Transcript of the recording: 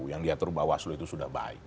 yang diatur bawah seluruh itu sudah baik